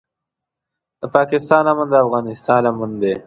د پاکستان امن د افغانستان امن دی.